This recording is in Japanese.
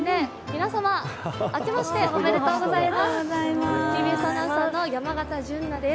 皆様、明けましておめでとうございます。